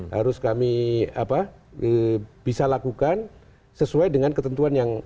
harus kami bisa lakukan sesuai dengan ketentuan yang